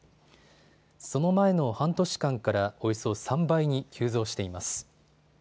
その前の半年間からおよそ３倍に急増しています。